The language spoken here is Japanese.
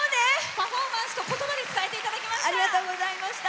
パフォーマンスと言葉で伝えていただきました。